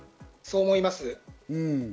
そう思います。